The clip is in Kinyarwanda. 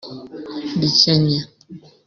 rikennye